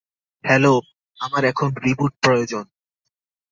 Hello, আমার এখন reboot প্রয়োজন।